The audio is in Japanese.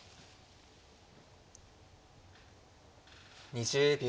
２０秒。